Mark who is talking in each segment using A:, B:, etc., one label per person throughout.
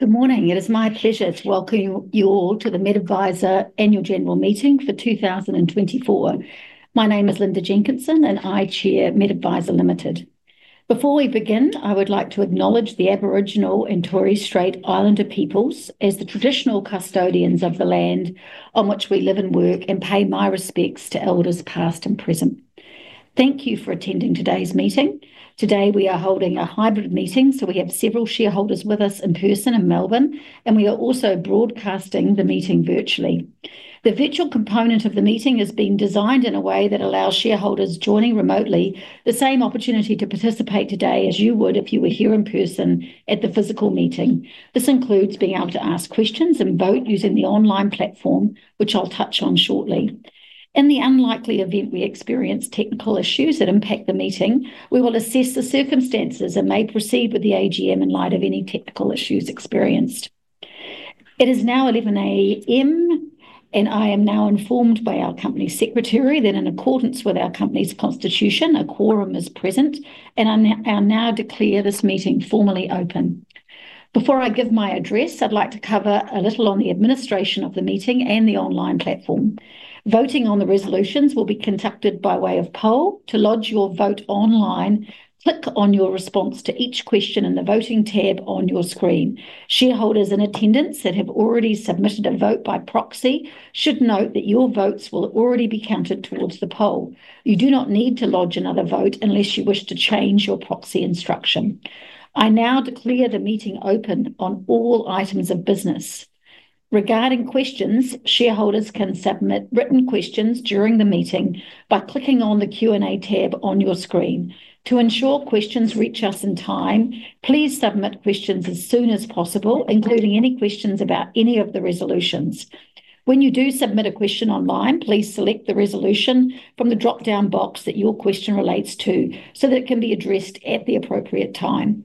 A: Good morning. It is my pleasure to welcome you all to the MedAdvisor Annual General Meeting for 2024. My name is Linda Jenkinson, and I Chair, MedAdvisor Limited. Before we begin, I would like to acknowledge the Aboriginal and Torres Strait Islander peoples as the traditional custodians of the land on which we live and work, and pay my respects to lders past and present. Thank you for attending today's meeting. Today we are holding a hybrid meeting, so we have several shareholders with us in person in Melbourne, and we are also broadcasting the meeting virtually. The virtual component of the meeting has been designed in a way that allows shareholders joining remotely the same opportunity to participate today as you would if you were here in person at the physical meeting. This includes being able to ask questions and vote using the online platform, which I'll touch on shortly. In the unlikely event we experience technical issues that impact the meeting, we will assess the circumstances and may proceed with the AGM in light of any technical issues experienced. It is now 11:00 A.M., and I am now informed by our company secretary that, in accordance with our company's constitution, a quorum is present, and I now declare this meeting formally open. Before I give my address, I'd like to cover a little on the administration of the meeting and the online platform. Voting on the resolutions will be conducted by way of poll. To lodge your vote online, click on your response to each question in the voting tab on your screen. Shareholders in attendance that have already submitted a vote by proxy should note that your votes will already be counted towards the poll. You do not need to lodge another vote unless you wish to change your proxy instruction. I now declare the meeting open on all items of business. Regarding questions, shareholders can submit written questions during the meeting by clicking on the Q&A tab on your screen. To ensure questions reach us in time, please submit questions as soon as possible, including any questions about any of the resolutions. When you do submit a question online, please select the resolution from the drop-down box that your question relates to so that it can be addressed at the appropriate time.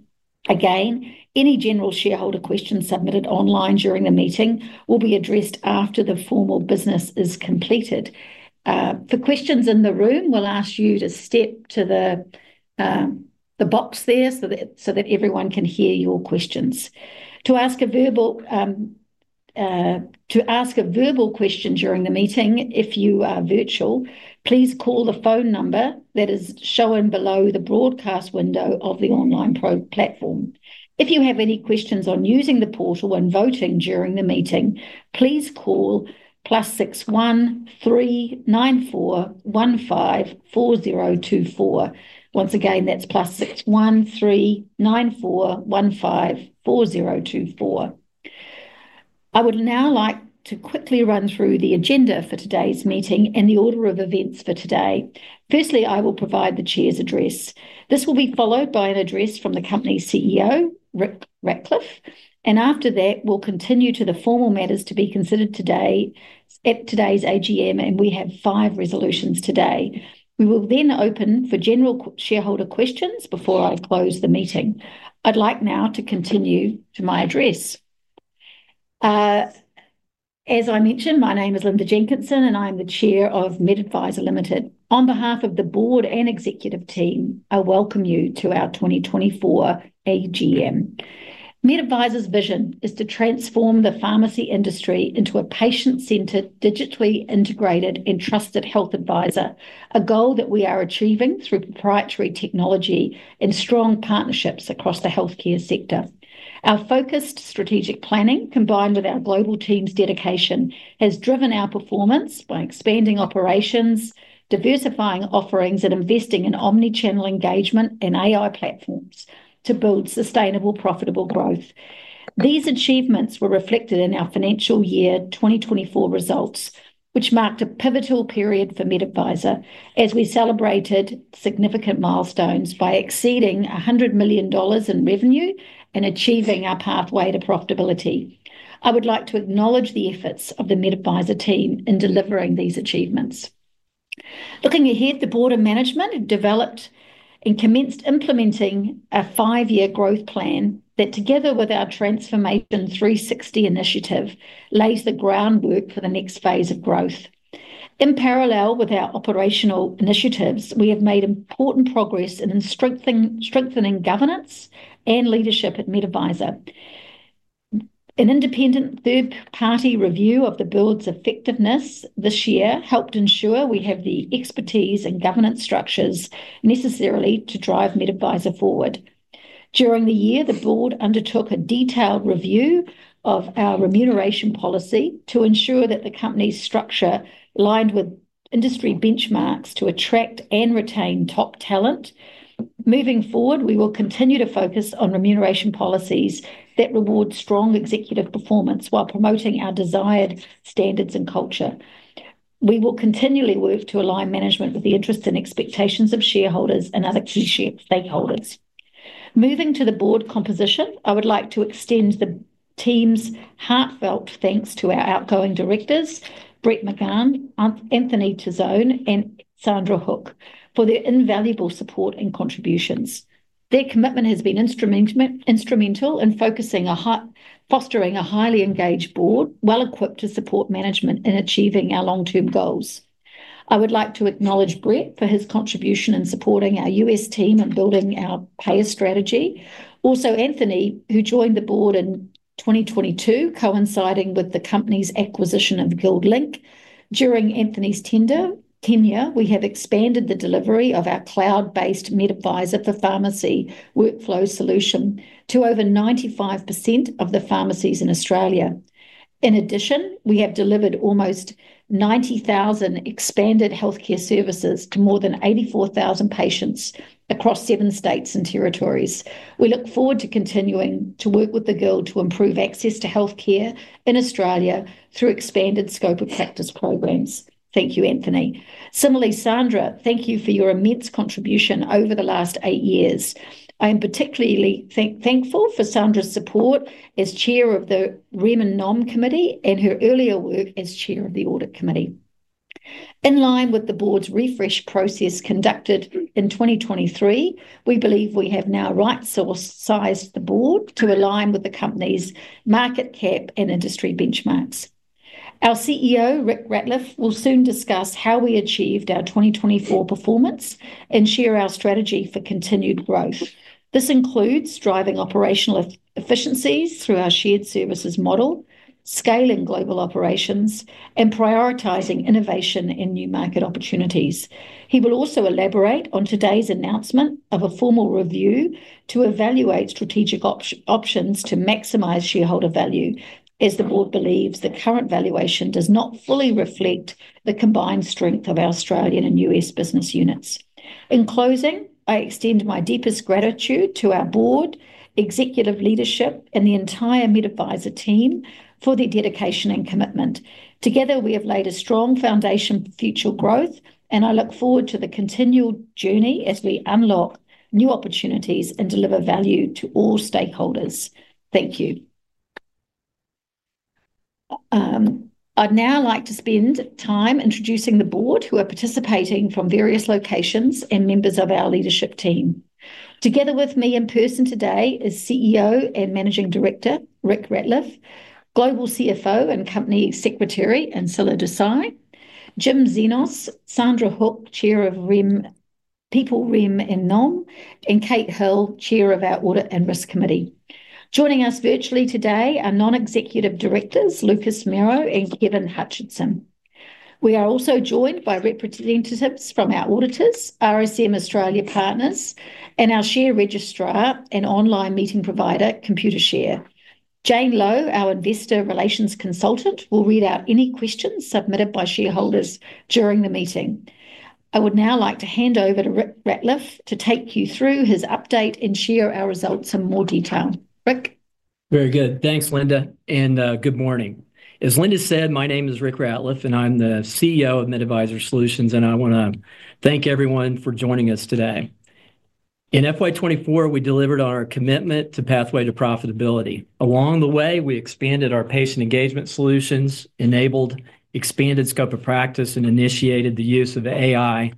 A: Again, any general shareholder questions submitted online during the meeting will be addressed after the formal business is completed. For questions in the room, we'll ask you to step to the box there so that everyone can hear your questions. To ask a verbal question during the meeting, if you are virtual, please call the phone number that is shown below the broadcast window of the online platform. If you have any questions on using the portal when voting during the meeting, please call +61 394154024. Once again, that's +61 394154024. I would now like to quickly run through the agenda for today's meeting in the order of events for today. Firstly, I will provide the Chair's address. This will be followed by an address from the company CEO, Rick Ratliff, and after that, we'll continue to the formal matters to be considered today at today's AGM, and we have five resolutions today. We will then open for general shareholder questions before I close the meeting. I'd like now to continue to my address. As I mentioned, my name is Linda Jenkinson, and I am the Chair of MedAdvisor Limited. On behalf of the board and executive team, I welcome you to our 2024 AGM. MedAdvisor's vision is to transform the pharmacy industry into a patient-centered, digitally integrated, and trusted health advisor, a goal that we are achieving through proprietary technology and strong partnerships across the healthcare sector. Our focused strategic planning, combined with our global team's dedication, has driven our performance by expanding operations, diversifying offerings, and investing in omnichannel engagement and AI platforms to build sustainable, profitable growth. These achievements were reflected in our financial year 2024 results, which marked a pivotal period for MedAdvisor as we celebrated significant milestones by exceeding 100 million dollars in revenue and achieving our pathway to profitability. I would like to acknowledge the efforts of the MedAdvisor team in delivering these achievements. Looking ahead, the board of management developed and commenced implementing a five-year growth plan that, together with our Transformation 360 initiative, lays the groundwork for the next phase of growth. In parallel with our operational initiatives, we have made important progress in strengthening governance and leadership at MedAdvisor. An independent third-party review of the board's effectiveness this year helped ensure we have the expertise and governance structures necessary to drive MedAdvisor forward. During the year, the board undertook a detailed review of our remuneration policy to ensure that the company's structure aligned with industry benchmarks to attract and retain top talent. Moving forward, we will continue to focus on remuneration policies that reward strong executive performance while promoting our desired standards and culture. We will continually work to align management with the interests and expectations of shareholders and other key stakeholders. Moving to the board composition, I would like to extend the team's heartfelt thanks to our outgoing directors, Brett Magun, Anthony Tassone, and Sandra Hook, for their invaluable support and contributions. Their commitment has been instrumental in fostering a highly engaged board well-equipped to support management in achieving our long-term goals. I would like to acknowledge Brett for his contribution in supporting our U.S. team and building our payer strategy. Also, Anthony, who joined the board in 2022, coinciding with the company's acquisition of GuildLink. During Anthony's tenure, we have expanded the delivery of our cloud-based MedAdvisor for pharmacy workflow solution to over 95% of the pharmacies in Australia. In addition, we have delivered almost 90,000 expanded healthcare services to more than 84,000 patients across seven states and territories. We look forward to continuing to work with the Guild to improve access to healthcare in Australia through expanded scope of practice programs. Thank you, Anthony. Similarly, Sandra, thank you for your immense contribution over the last eight years. I am particularly thankful for Sandra's support as Chair of the Rem and Nom Committee and her earlier work as Chair of the Audit Committee. In line with the board's refresh process conducted in 2023, we believe we have now right-sized the board to align with the company's market cap and industry benchmarks. Our CEO, Rick Ratliff, will soon discuss how we achieved our 2024 performance and share our strategy for continued growth. This includes driving operational efficiencies through our shared services model, scaling global operations, and prioritizing innovation and new market opportunities. He will also elaborate on today's announcement of a formal review to evaluate strategic options to maximize shareholder value, as the board believes the current valuation does not fully reflect the combined strength of our Australian and U.S. business units. In closing, I extend my deepest gratitude to our board, executive leadership, and the entire MedAdvisor team for their dedication and commitment. Together, we have laid a strong foundation for future growth, and I look forward to the continual journey as we unlock new opportunities and deliver value to all stakeholders. Thank you. I'd now like to spend time introducing the board, who are participating from various locations, and members of our leadership team. Together with me in person today is CEO and Managing Director Rick Ratliff, Global CFO and Company Secretary Ancila Desai, Jim Xenos, Sandra Hook, Chair of People, Rem and Nom, and Kate Hill, Chair of our Audit and Risk Committee. Joining us virtually today are Non-Executive Directors Lucas Merrow and Kevin Hutchinson. We are also joined by representatives from our auditors, RSM Australia Partners, and our share registrar and online meeting provider, Computershare. Jane Lowe, our investor relations consultant, will read out any questions submitted by shareholders during the meeting. I would now like to hand over to Rick Ratliff to take you through his update and share our results in more detail. Rick.
B: Very good. Thanks, Linda, and good morning. As Linda said, my name is Rick Ratliff, and I'm the CEO of MedAdvisor Solutions, and I want to thank everyone for joining us today. In FY24, we delivered on our commitment to pathway to profitability. Along the way, we expanded our patient engagement solutions, enabled expanded scope of practice, and initiated the use of AI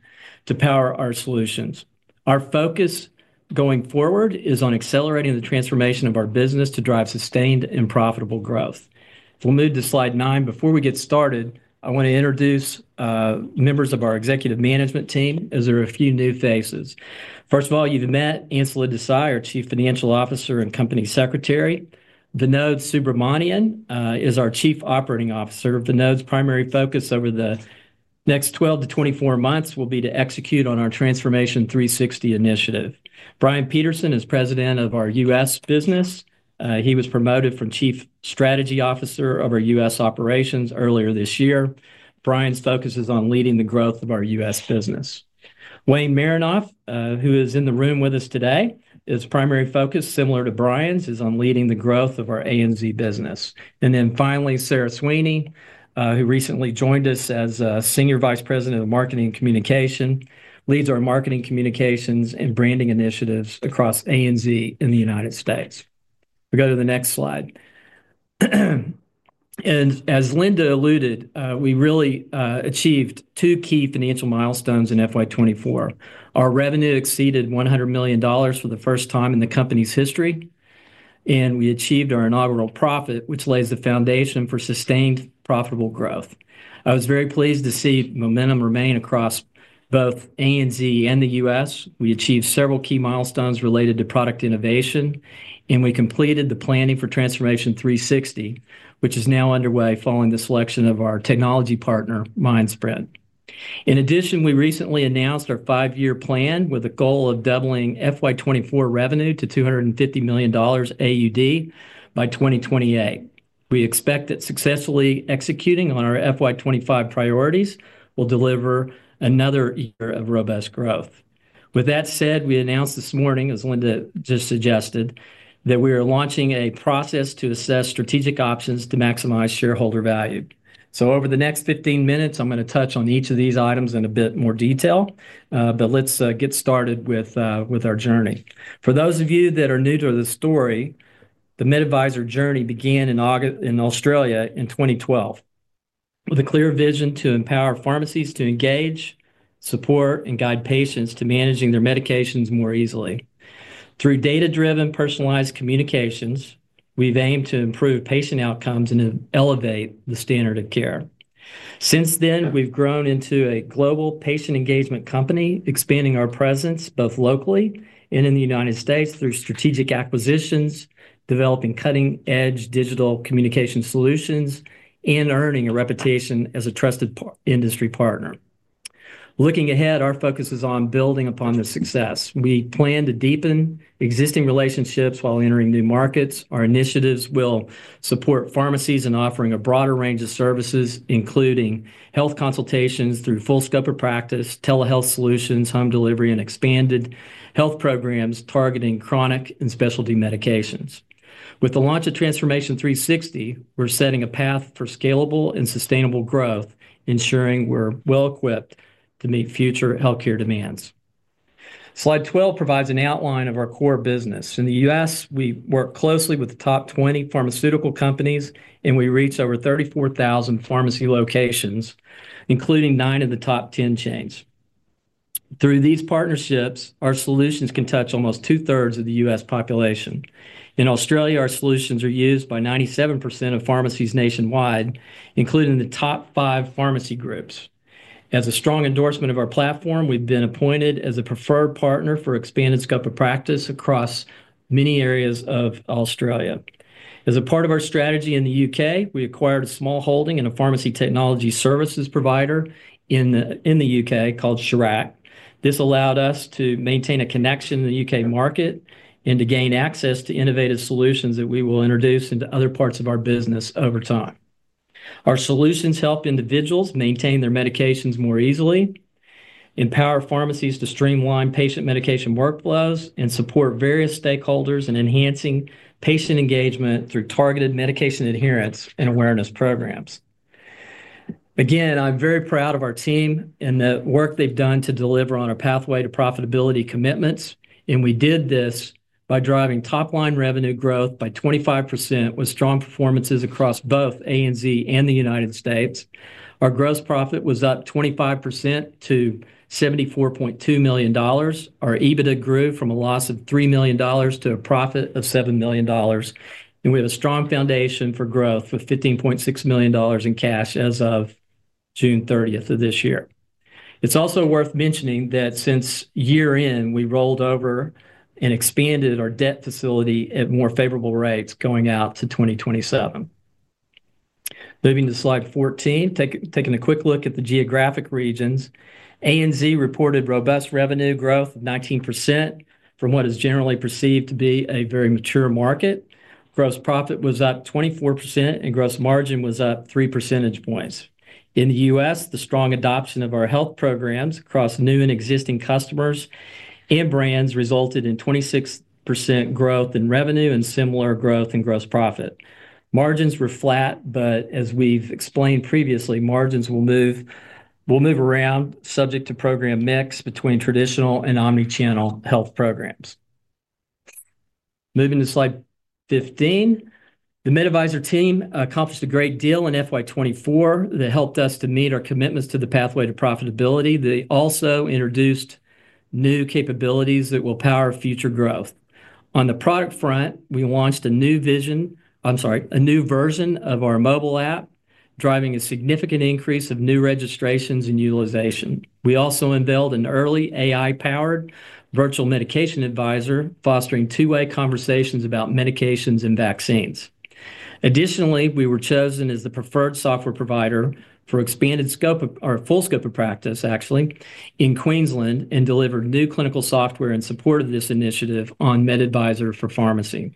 B: to power our solutions. Our focus going forward is on accelerating the transformation of our business to drive sustained and profitable growth. If we'll move to slide nine, before we get started, I want to introduce members of our executive management team. These are a few new faces. First of all, you've met Ancila Desai, our Chief Financial Officer and Company Secretary. Vinod Subramanian is our Chief Operating Officer. Vinod's primary focus over the next 12-24 months will be to execute on our Transformation 360 initiative. Brian Peterson is President of our U.S. business. He was promoted from Chief Strategy Officer of our U.S. operations earlier this year. Brian's focus is on leading the growth of our U.S. business. Wayne Marinoff, who is in the room with us today, his primary focus, similar to Brian's, is on leading the growth of our ANZ business. And then finally, Sarah Sweeney, who recently joined us as Senior Vice President of Marketing and Communication, leads our marketing communications and branding initiatives across ANZ in the United States. We'll go to the next slide, and as Linda alluded, we really achieved two key financial milestones in FY24. Our revenue exceeded 100 million dollars for the first time in the company's history, and we achieved our inaugural profit, which lays the foundation for sustained profitable growth. I was very pleased to see momentum remain across both ANZ and the U.S., we achieved several key milestones related to product innovation, and we completed the planning for Transformation 360, which is now underway following the selection of our technology partner, Mindsprint. In addition, we recently announced our five-year plan with a goal of doubling FY24 revenue to 250 million AUD by 2028. We expect that successfully executing on our FY25 priorities will deliver another year of robust growth. With that said, we announced this morning, as Linda just suggested, that we are launching a process to assess strategic options to maximize shareholder value. So over the next 15 minutes, I'm going to touch on each of these items in a bit more detail, but let's get started with our journey. For those of you that are new to the story, the MedAdvisor journey began in Australia in 2012 with a clear vision to empower pharmacies to engage, support, and guide patients to managing their medications more easily. Through data-driven personalized communications, we've aimed to improve patient outcomes and elevate the standard of care. Since then, we've grown into a global patient engagement company, expanding our presence both locally and in the United States through strategic acquisitions, developing cutting-edge digital communication solutions, and earning a reputation as a trusted industry partner. Looking ahead, our focus is on building upon the success. We plan to deepen existing relationships while entering new markets. Our initiatives will support pharmacies in offering a broader range of services, including health consultations through full scope of practice, telehealth solutions, home delivery, and expanded health programs targeting chronic and specialty medications. With the launch of Transformation 360, we're setting a path for scalable and sustainable growth, ensuring we're well-equipped to meet future healthcare demands. Slide 12 provides an outline of our core business. In the U.S., we work closely with the top 20 pharmaceutical companies, and we reach over 34,000 pharmacy locations, including nine of the top 10 chains. Through these partnerships, our solutions can touch almost 2/3 of the U.S. population. In Australia, our solutions are used by 97% of pharmacies nationwide, including the top five pharmacy groups. As a strong endorsement of our platform, we've been appointed as a preferred partner for expanded scope of practice across many areas of Australia. As a part of our strategy in the U.K., we acquired a small holding in a pharmacy technology services provider in the U.K. called Charac. This allowed us to maintain a connection in the U.K. market and to gain access to innovative solutions that we will introduce into other parts of our business over time. Our solutions help individuals maintain their medications more easily, empower pharmacies to streamline patient medication workflows, and support various stakeholders in enhancing patient engagement through targeted medication adherence and awareness programs. Again, I'm very proud of our team and the work they've done to deliver on our pathway to profitability commitments, and we did this by driving top-line revenue growth by 25% with strong performances across both ANZ and the United States. Our gross profit was up 25% to 74.2 million dollars. Our EBITDA grew from a loss of 3 million dollars to a profit of 7 million dollars, and we have a strong foundation for growth with 15.6 million dollars in cash as of June 30th of this year. It's also worth mentioning that since year-end, we rolled over and expanded our debt facility at more favorable rates going out to 2027. Moving to slide 14, taking a quick look at the geographic regions, ANZ reported robust revenue growth of 19% from what is generally perceived to be a very mature market. Gross profit was up 24%, and gross margin was up 3 percentage points. In the U.S., the strong adoption of our health programs across new and existing customers and brands resulted in 26% growth in revenue and similar growth in gross profit. Margins were flat, but as we've explained previously, margins will move around, subject to program mix between traditional and omnichannel health programs. Moving to slide 15, the MedAdvisor team accomplished a great deal in FY24 that helped us to meet our commitments to the pathway to profitability. They also introduced new capabilities that will power future growth. On the product front, we launched a new vision, I'm sorry, a new version of our mobile app, driving a significant increase of new registrations and utilization. We also unveiled an early AI-powered virtual medication advisor, fostering two-way conversations about medications and vaccines. Additionally, we were chosen as the preferred software provider for expanded scope of our full scope of practice, actually, in Queensland, and delivered new clinical software in support of this initiative on MedAdvisor for Pharmacy.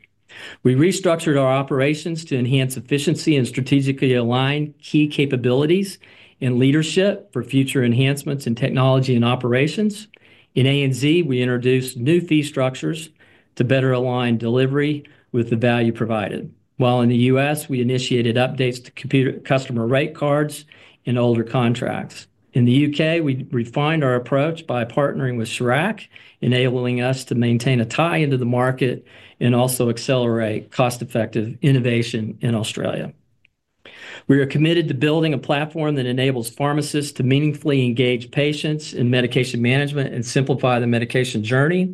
B: We restructured our operations to enhance efficiency and strategically align key capabilities and leadership for future enhancements in technology and operations. In ANZ, we introduced new fee structures to better align delivery with the value provided. While in the U.S., we initiated updates to current customer rate cards and older contracts. In the U.K., we refined our approach by partnering with Charac, enabling us to maintain a tie into the market and also accelerate cost-effective innovation in Australia. We are committed to building a platform that enables pharmacists to meaningfully engage patients in medication management and simplify the medication journey.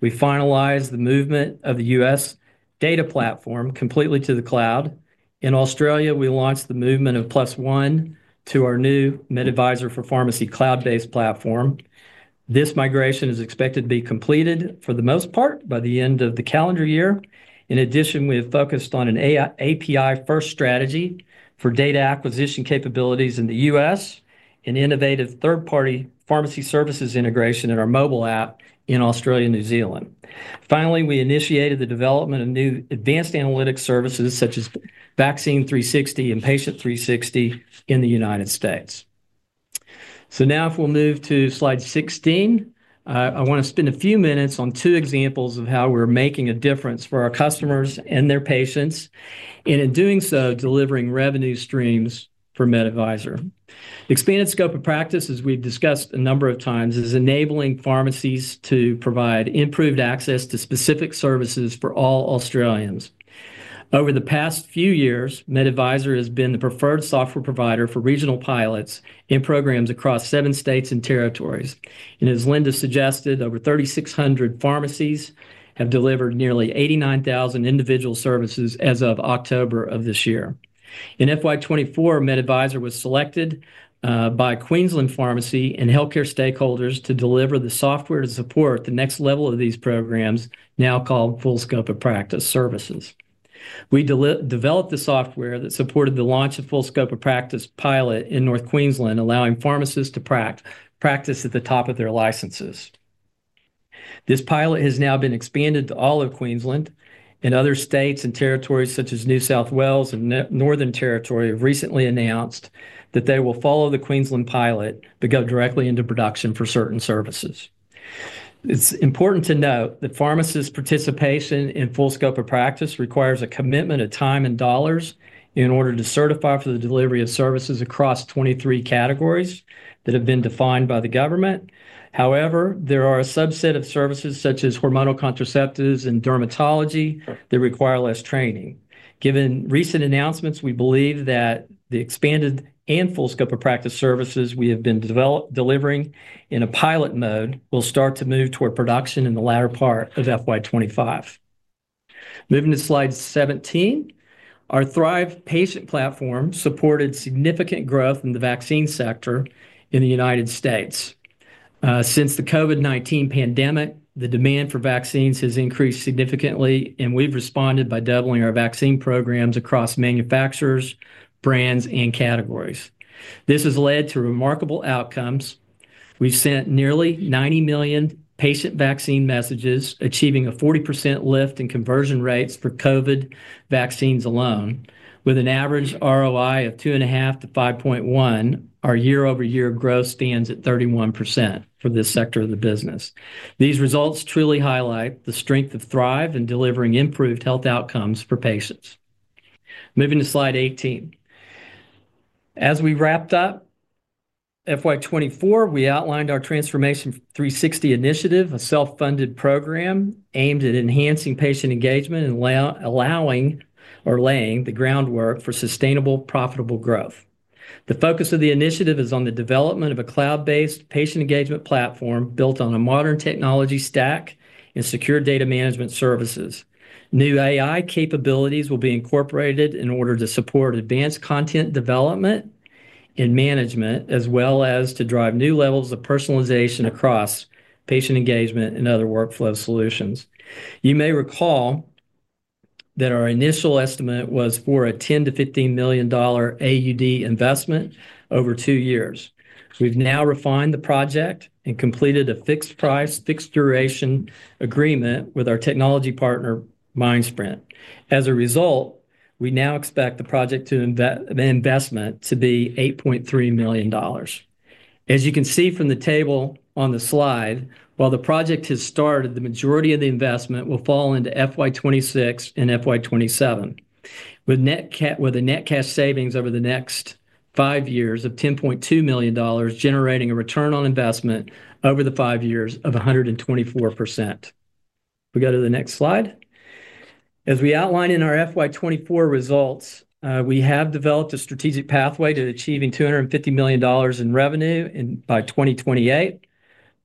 B: We finalized the movement of the U.S. data platform completely to the cloud. In Australia, we launched the movement of PlusOne to our new MedAdvisor for Pharmacy cloud-based platform. This migration is expected to be completed, for the most part, by the end of the calendar year. In addition, we have focused on an API-first strategy for data acquisition capabilities in the U.S. and innovative third-party pharmacy services integration in our mobile app in Australia and New Zealand. Finally, we initiated the development of new advanced analytics services such as Vaccine 360 and Patient 360 in the United States. So now, if we'll move to slide 16, I want to spend a few minutes on two examples of how we're making a difference for our customers and their patients, and in doing so, delivering revenue streams for MedAdvisor. Expanded scope of practice, as we've discussed a number of times, is enabling pharmacies to provide improved access to specific services for all Australians. Over the past few years, MedAdvisor has been the preferred software provider for regional pilots and programs across seven states and territories. As Linda suggested, over 3,600 pharmacies have delivered nearly 89,000 individual services as of October of this year. In FY24, MedAdvisor was selected by Queensland pharmacy and healthcare stakeholders to deliver the software to support the next level of these programs, now called Full Scope of Practice services. We developed the software that supported the launch of full scope of practice pilot in North Queensland, allowing pharmacists to practice at the top of their licenses. This pilot has now been expanded to all of Queensland, and other states and territories such as New South Wales and Northern Territory have recently announced that they will follow the Queensland pilot but go directly into production for certain services. It's important to note that pharmacists' participation in full scope of practice requires a commitment of time and dollars in order to certify for the delivery of services across 23 categories that have been defined by the government. However, there are a subset of services such as hormonal contraceptives and dermatology that require less training. Given recent announcements, we believe that the expanded and Full Scope of Practice services we have been delivering in a pilot mode will start to move toward production in the latter part of FY25. Moving to slide 17, our THRiV patient platform supported significant growth in the vaccine sector in the United States. Since the COVID-19 pandemic, the demand for vaccines has increased significantly, and we've responded by doubling our vaccine programs across manufacturers, brands, and categories. This has led to remarkable outcomes. We've sent nearly 90 million patient vaccine messages, achieving a 40% lift in conversion rates for COVID vaccines alone. With an average ROI of 2.5-5.1, our year-over-year growth stands at 31% for this sector of the business. These results truly highlight the strength of THRiV in delivering improved health outcomes for patients. Moving to slide 18. As we wrapped up FY24, we outlined our Transformation 360 initiative, a self-funded program aimed at enhancing patient engagement and laying the groundwork for sustainable, profitable growth. The focus of the initiative is on the development of a cloud-based patient engagement platform built on a modern technology stack and secure data management services. New AI capabilities will be incorporated in order to support advanced content development and management, as well as to drive new levels of personalization across patient engagement and other workflow solutions. You may recall that our initial estimate was for an 10 million-15 million AUD investment over two years. We've now refined the project and completed a fixed-price, fixed-duration agreement with our technology partner, MindSprint. As a result, we now expect the project investment to be 8.3 million dollars. As you can see from the table on the slide, while the project has started, the majority of the investment will fall into FY26 and FY27, with net cash savings over the next five years of 10.2 million dollars, generating a return on investment over the five years of 124%. We go to the next slide. As we outline in our FY24 results, we have developed a strategic pathway to achieving 250 million dollars in revenue by 2028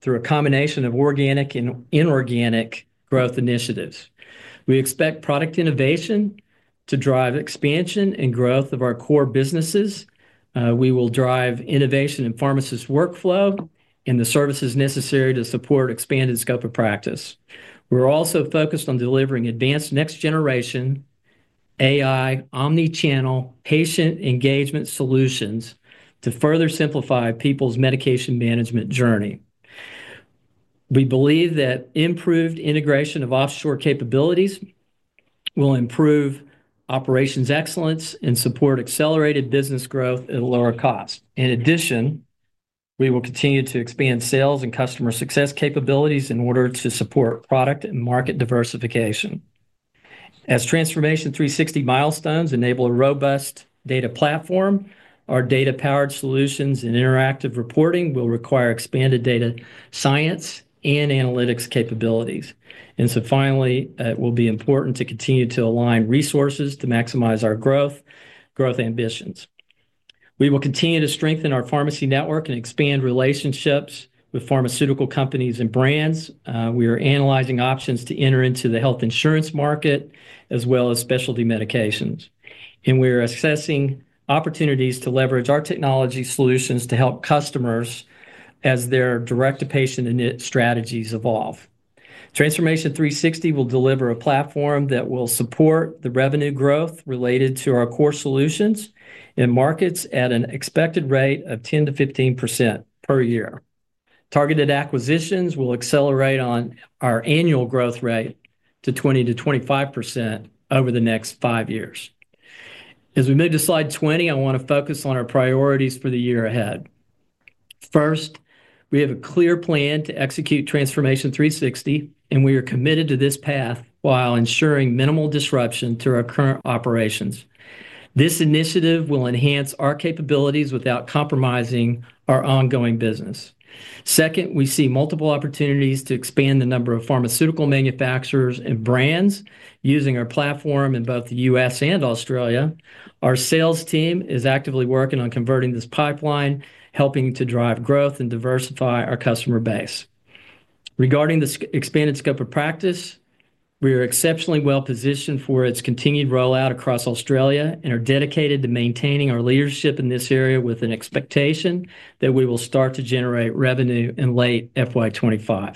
B: through a combination of organic and inorganic growth initiatives. We expect product innovation to drive expansion and growth of our core businesses. We will drive innovation in pharmacists' workflow and the services necessary to support expanded scope of practice. We're also focused on delivering advanced next-generation AI omnichannel patient engagement solutions to further simplify people's medication management journey. We believe that improved integration of offshore capabilities will improve operations excellence and support accelerated business growth at a lower cost. In addition, we will continue to expand sales and customer success capabilities in order to support product and market diversification. As Transformation 360 milestones enable a robust data platform, our data-powered solutions and interactive reporting will require expanded data science and analytics capabilities. And so finally, it will be important to continue to align resources to maximize our growth ambitions. We will continue to strengthen our pharmacy network and expand relationships with pharmaceutical companies and brands. We are analyzing options to enter into the health insurance market, as well as specialty medications. And we are assessing opportunities to leverage our technology solutions to help customers as their direct-to-patient and NIP strategies evolve. Transformation 360 will deliver a platform that will support the revenue growth related to our core solutions and markets at an expected rate of 10%-15% per year. Targeted acquisitions will accelerate our annual growth rate to 20%-25% over the next five years. As we move to slide 20, I want to focus on our priorities for the year ahead. First, we have a clear plan to execute Transformation 360, and we are committed to this path while ensuring minimal disruption to our current operations. This initiative will enhance our capabilities without compromising our ongoing business. Second, we see multiple opportunities to expand the number of pharmaceutical manufacturers and brands using our platform in both the U.S. and Australia. Our sales team is actively working on converting this pipeline, helping to drive growth and diversify our customer base. Regarding the expanded scope of practice, we are exceptionally well-positioned for its continued rollout across Australia and are dedicated to maintaining our leadership in this area with an expectation that we will start to generate revenue in late FY25.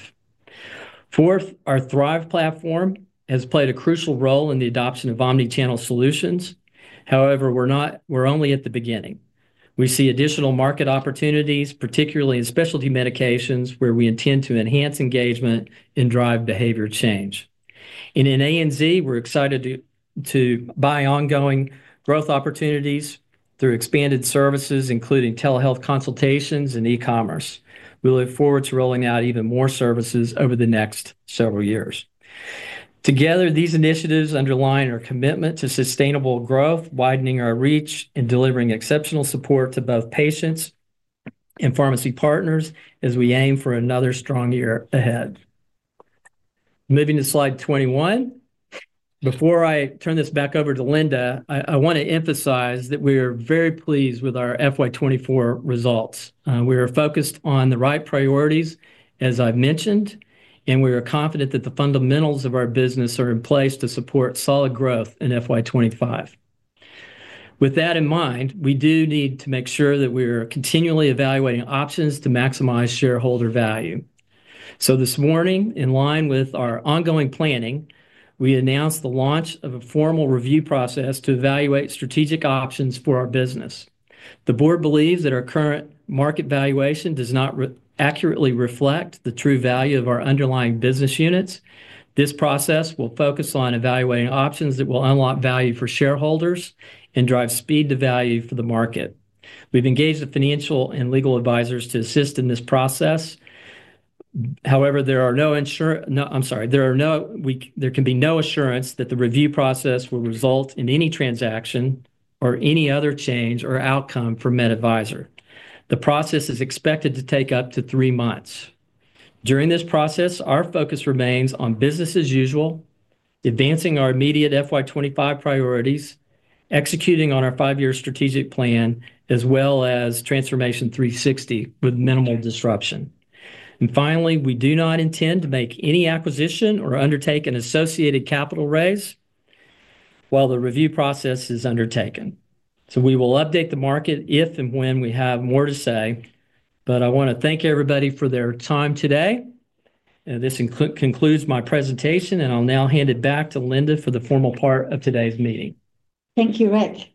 B: Fourth, our THRiV platform has played a crucial role in the adoption of omnichannel solutions. However, we're only at the beginning. We see additional market opportunities, particularly in specialty medications, where we intend to enhance engagement and drive behavior change. And in ANZ, we're excited by ongoing growth opportunities through expanded services, including telehealth consultations and e-commerce. We look forward to rolling out even more services over the next several years. Together, these initiatives underline our commitment to sustainable growth, widening our reach, and delivering exceptional support to both patients and pharmacy partners as we aim for another strong year ahead. Moving to slide 21. Before I turn this back over to Linda, I want to emphasize that we are very pleased with our FY24 results. We are focused on the right priorities, as I've mentioned, and we are confident that the fundamentals of our business are in place to support solid growth in FY25. With that in mind, we do need to make sure that we are continually evaluating options to maximize shareholder value. So this morning, in line with our ongoing planning, we announced the launch of a formal review process to evaluate strategic options for our business. The board believes that our current market valuation does not accurately reflect the true value of our underlying business units. This process will focus on evaluating options that will unlock value for shareholders and drive speed to value for the market. We've engaged the financial and legal advisors to assist in this process. However, there can be no assurance that the review process will result in any transaction or any other change or outcome for MedAdvisor. The process is expected to take up to three months. During this process, our focus remains on business as usual, advancing our immediate FY25 priorities, executing on our five-year strategic plan, as well as Transformation 360 with minimal disruption. And finally, we do not intend to make any acquisition or undertake an associated capital raise while the review process is undertaken. So we will update the market if and when we have more to say. But I want to thank everybody for their time today. This concludes my presentation, and I'll now hand it back to Linda for the formal part of today's meeting.
A: Thank you, Rick.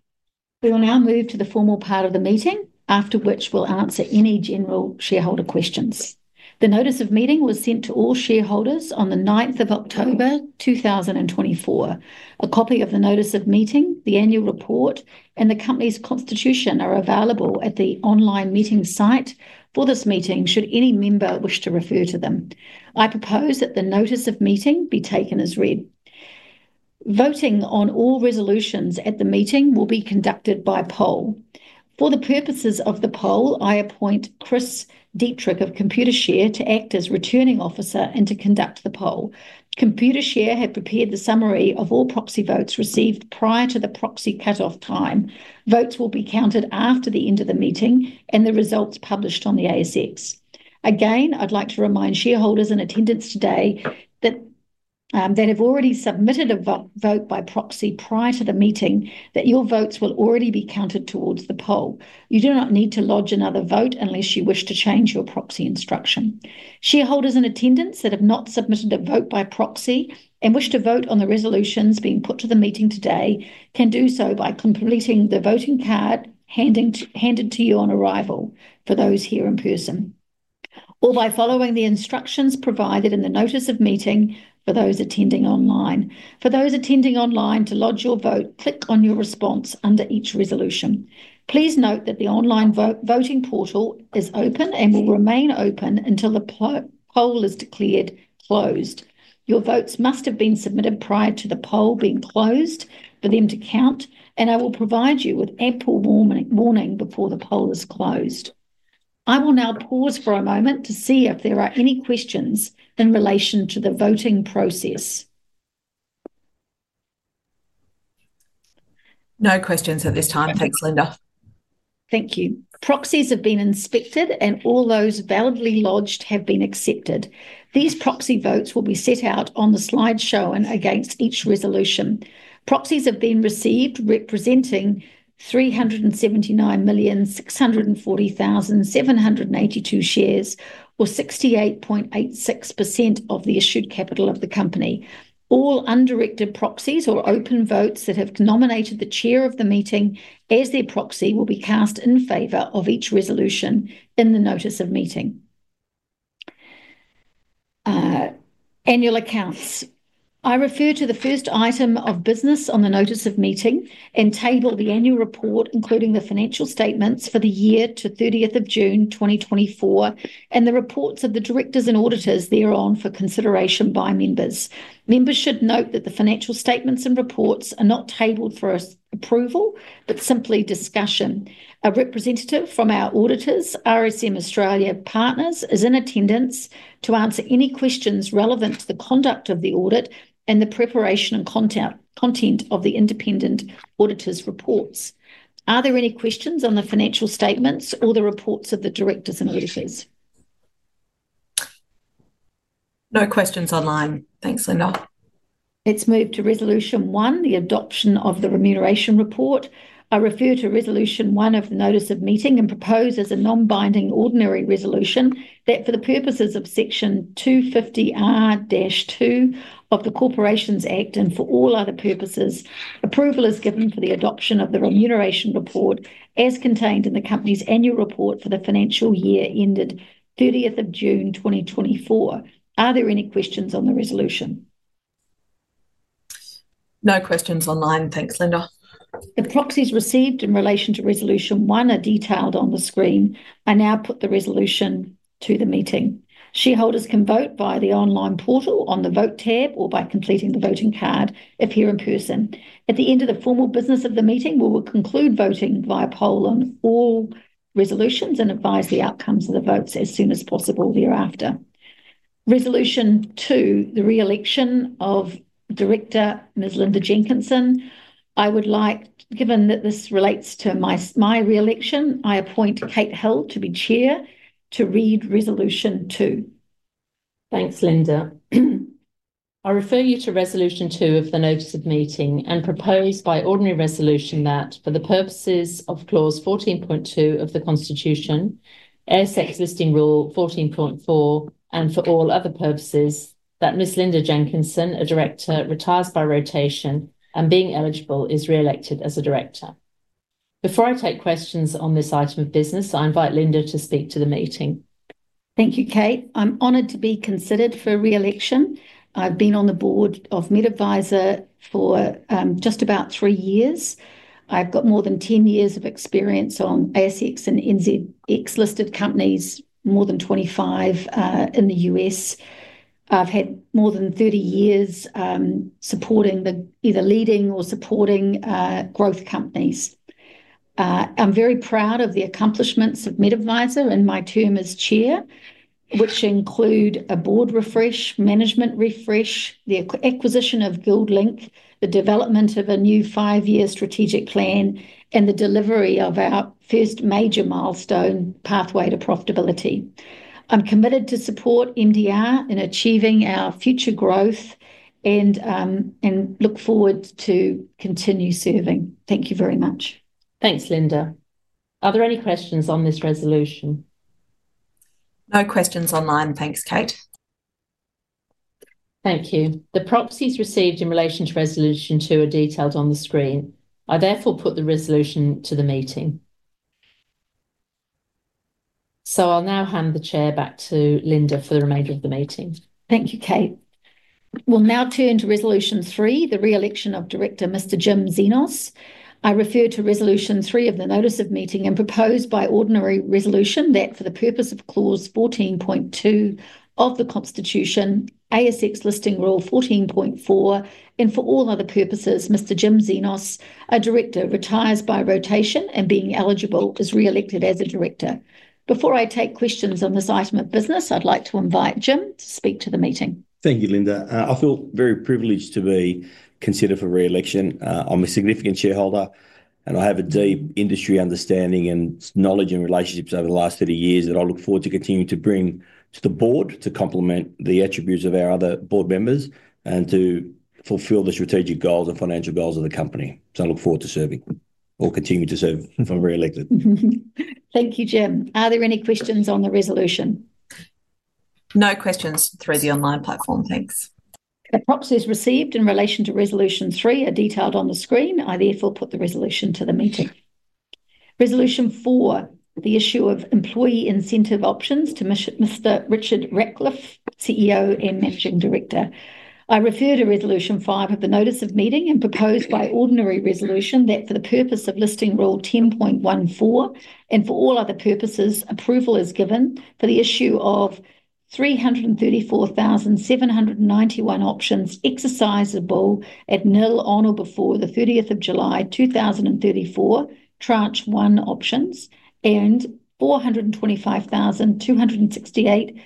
A: We will now move to the formal part of the meeting, after which we'll answer any general shareholder questions. The notice of meeting was sent to all shareholders on the 9th of October, 2024. A copy of the notice of meeting, the annual report, and the company's constitution are available at the online meeting site for this meeting should any member wish to refer to them. I propose that the notice of meeting be taken as read. Voting on all resolutions at the meeting will be conducted by poll. For the purposes of the poll, I appoint Chris Dietrich of Computershare to act as returning officer and to conduct the poll. Computershare had prepared the summary of all proxy votes received prior to the proxy cutoff time. Votes will be counted after the end of the meeting and the results published on the ASX. Again, I'd like to remind shareholders in attendance today that have already submitted a vote by proxy prior to the meeting that your votes will already be counted towards the poll. You do not need to lodge another vote unless you wish to change your proxy instruction. Shareholders in attendance that have not submitted a vote by proxy and wish to vote on the resolutions being put to the meeting today can do so by completing the voting card handed to you on arrival for those here in person, or by following the instructions provided in the notice of meeting for those attending online. For those attending online to lodge your vote, click on your response under each resolution. Please note that the online voting portal is open and will remain open until the poll is declared closed. Your votes must have been submitted prior to the poll being closed for them to count, and I will provide you with ample warning before the poll is closed. I will now pause for a moment to see if there are any questions in relation to the voting process.
C: No questions at this time. Thanks, Linda.
A: Thank you. Proxies have been inspected, and all those validly lodged have been accepted. These proxy votes will be set out on the slideshow and against each resolution. Proxies have been received representing 379,640,782 shares, or 68.86% of the issued capital of the company. All undirected proxies or open votes that have nominated the Chair of the meeting as their proxy will be cast in favor of each resolution in the notice of meeting. Annual accounts. I refer to the first item of business on the notice of meeting and table the annual report, including the financial statements for the year to 30th of June 2024, and the reports of the Directors and Auditors thereon for consideration by members. Members should note that the financial statements and reports are not tabled for approval, but simply discussion. A representative from our auditors, RSM Australia Partners, is in attendance to answer any questions relevant to the conduct of the audit and the preparation and content of the independent auditor's reports. Are there any questions on the financial statements or the reports of the directors and auditors?
C: No questions online. Thanks, Linda.
A: Let's move to Resolution One, the adoption of the remuneration report. I refer to Resolution One of the notice of meeting and propose as a non-binding ordinary resolution that for the purposes of Section 250R(2) of the Corporations Act and for all other purposes, approval is given for the adoption of the remuneration report as contained in the company's annual report for the financial year ended 30th of June 2024. Are there any questions on the resolution?
C: No questions online. Thanks, Linda.
A: The proxies received in relation to Resolution One are detailed on the screen. I now put the resolution to the meeting. Shareholders can vote via the online portal on the vote tab or by completing the voting card if here in person. At the end of the formal business of the meeting, we will conclude voting via poll on all resolutions and advise the outcomes of the votes as soon as possible thereafter. Resolution Two, the re-election of Director Ms. Linda Jenkinson. I would like, given that this relates to my re-election, I appoint Kate Hill to be Chair to read Resolution Two.
D: Thanks, Linda. I refer you to Resolution Two of the notice of meeting and propose by ordinary resolution that for the purposes of Clause 14.2 of the Constitution, ASX Listing Rule 14.4, and for all other purposes, that Ms. Linda Jenkinson, a Director, retires by rotation and being eligible, is re-elected as a Director. Before I take questions on this item of business, I invite Linda to speak to the meeting.
A: Thank you, Kate. I'm honored to be considered for re-election. I've been on the board of MedAdvisor for just about three years. I've got more than 10 years of experience on ASX and NZX listed companies, more than 25 in the U.S. I've had more than 30 years supporting the either leading or supporting growth companies. I'm very proud of the accomplishments of MedAdvisor and my term as Chair, which include a board refresh, management refresh, the acquisition of GuildLink, the development of a new five-year strategic plan, and the delivery of our first major milestone, Pathway to Profitability. I'm committed to support MDR in achieving our future growth and look forward to continue serving. Thank you very much.
D: Thanks, Linda. Are there any questions on this resolution?
C: No questions online. Thanks, Kate.
D: Thank you. The proxies received in relation to Resolution Two are detailed on the screen. I therefore put the resolution to the meeting. So I'll now hand the Chair back to Linda for the remainder of the meeting.
A: Thank you, Kate. We'll now turn to Resolution Three, the re-election of Director Mr. Jim Xenos. I refer to Resolution Three of the notice of meeting and propose by ordinary resolution that for the purpose of Clause 14.2 of the Constitution, ASX Listing Rule 14.4, and for all other purposes, Mr. Jim Xenos, a director, retires by rotation and being eligible, is re-elected as a Director. Before I take questions on this item of business, I'd like to invite Jim to speak to the meeting.
E: Thank you, Linda. I feel very privileged to be considered for re-election. I'm a significant shareholder, and I have a deep industry understanding and knowledge and relationships over the last 30 years that I look forward to continuing to bring to the board to complement the attributes of our other board members and to fulfill the strategic goals and financial goals of the company. So I look forward to serving or continuing to serve if I'm re-elected.
A: Thank you, Jim. Are there any questions on the resolution?
C: No questions through the online platform. Thanks.
A: The proxies received in relation to Resolution Three are detailed on the screen. I therefore put the resolution to the meeting. Resolution Four, the issue of employee incentive options to Mr. Richard Ratliff, CEO and Managing Director. I refer to Resolution Five of the notice of meeting and propose by ordinary resolution that for the purpose of Listing Rule 10.14 and for all other purposes, approval is given for the issue of 334,791 options exercisable at nil on or before the 30th of July 2034, tranche one options, and 425,268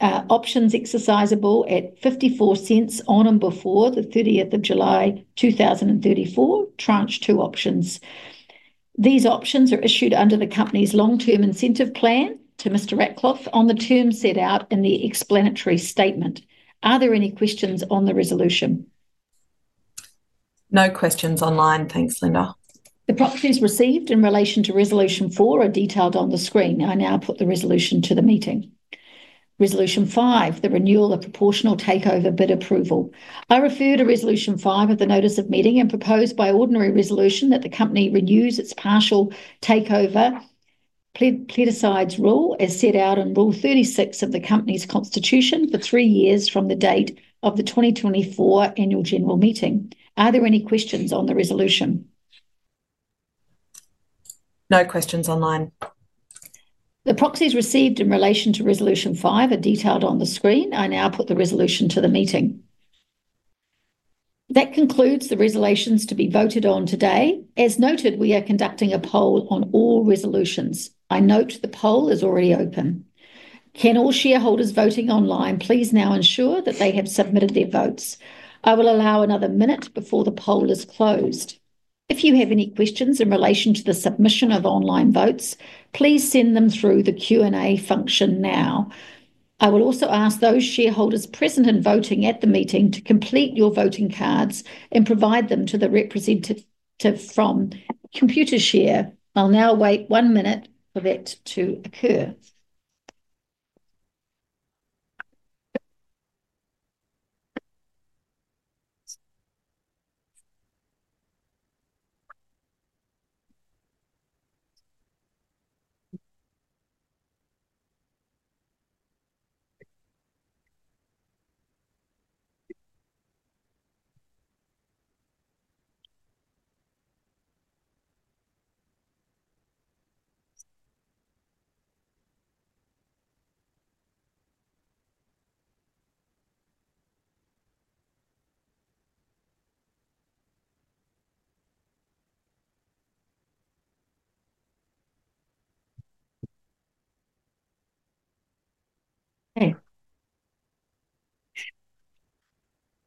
A: options exercisable at 0.54 on and before the 30th of July 2034, tranche two options. These options are issued under the company's long-term incentive plan to Mr. Ratliff on the terms set out in the explanatory statement. Are there any questions on the resolution?
C: No questions online. Thanks, Linda.
A: The proxies received in relation to Resolution Four are detailed on the screen. I now put the resolution to the meeting. Resolution Five, the renewal of proportional takeover bid approval. I refer to Resolution Five of the notice of meeting and propose by ordinary resolution that the company renews its proportional takeover provisions rule as set out in Rule 36 of the company's constitution for three years from the date of the 2024 annual general meeting. Are there any questions on the resolution?
C: No questions online.
A: The proxies received in relation to Resolution Five are detailed on the screen. I now put the resolution to the meeting. That concludes the resolutions to be voted on today. As noted, we are conducting a poll on all resolutions. I note the poll is already open. Can all shareholders voting online please now ensure that they have submitted their votes. I will allow another minute before the poll is closed. If you have any questions in relation to the submission of online votes, please send them through the Q&A function now. I will also ask those shareholders present and voting at the meeting to complete your voting cards and provide them to the representative from Computershare. I'll now wait one minute for that to occur.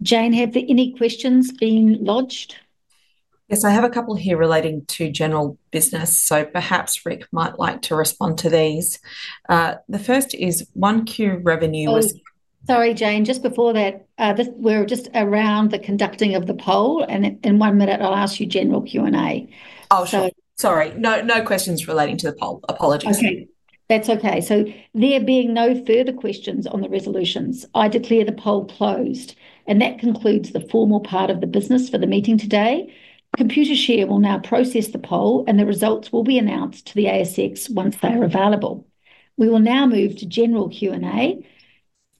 A: Okay. Jane, have there any questions been lodged?
C: Yes, I have a couple here relating to general business, so perhaps Rick might like to respond to these. The first is one Q revenue was.
A: Sorry, Jane, just before that, we're just around the conducting of the poll, and in one minute I'll ask you general Q&A.
C: Oh, sorry. No questions relating to the poll. Apologies.
A: Okay. That's okay. So there being no further questions on the resolutions, I declare the poll closed, and that concludes the formal part of the business for the meeting today. Computershare will now process the poll, and the results will be announced to the ASX once they are available. We will now move to general Q&A,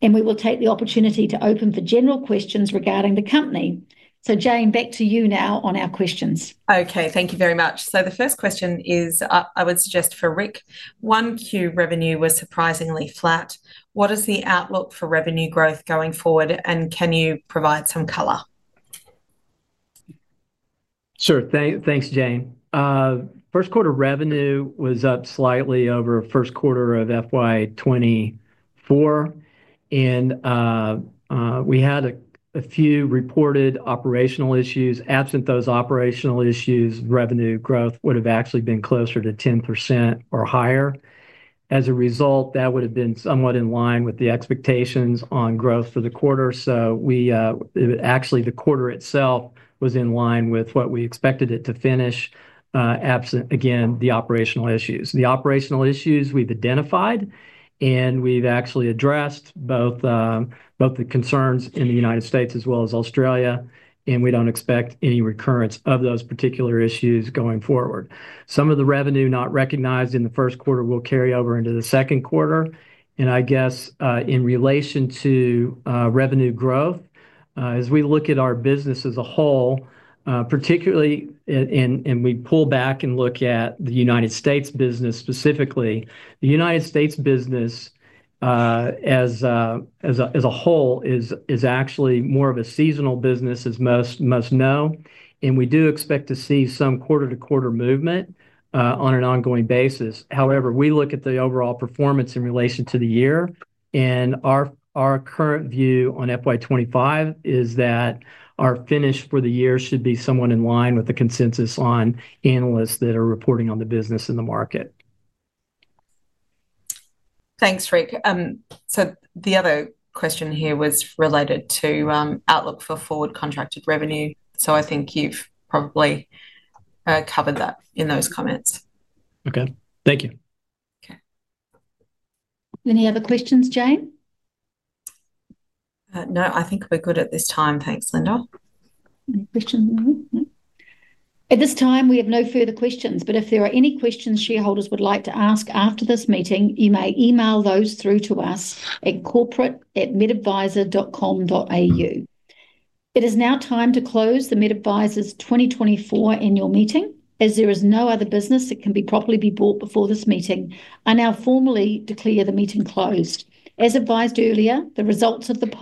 A: and we will take the opportunity to open for general questions regarding the company. So, Jane, back to you now on our questions.
C: Okay, thank you very much. So the first question is, I would suggest for Rick, one Q revenue was surprisingly flat. What is the outlook for revenue growth going forward, and can you provide some color?
B: Sure. Thanks, Jane. First quarter revenue was up slightly over first quarter of FY24, and we had a few reported operational issues. Absent those operational issues, revenue growth would have actually been closer to 10% or higher. As a result, that would have been somewhat in line with the expectations on growth for the quarter. So actually, the quarter itself was in line with what we expected it to finish, absent, again, the operational issues. The operational issues we've identified, and we've actually addressed both the concerns in the United States as well as Australia, and we don't expect any recurrence of those particular issues going forward. Some of the revenue not recognized in the first quarter will carry over into the second quarter. And I guess in relation to revenue growth, as we look at our business as a whole, particularly and we pull back and look at the United States business specifically, the United States business as a whole is actually more of a seasonal business, as most know. And we do expect to see some quarter-to-quarter movement on an ongoing basis. However, we look at the overall performance in relation to the year, and our current view on FY25 is that our finish for the year should be somewhat in line with the consensus on analysts that are reporting on the business and the market.
C: Thanks, Rick. So the other question here was related to outlook for forward contracted revenue. So I think you've probably covered that in those comments.
B: Okay. Thank you.
C: Okay.
A: Any other questions, Jane?
C: No, I think we're good at this time. Thanks, Linda.
A: Any questions? At this time, we have no further questions, but if there are any questions shareholders would like to ask after this meeting, you may email those through to us at corporate@medadvisor.com.au. It is now time to close the MedAdvisor's 2024 annual meeting. As there is no other business that can be properly brought before this meeting, I now formally declare the meeting closed. As advised earlier, the results of the.